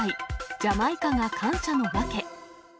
ジャマイカが感謝の訳。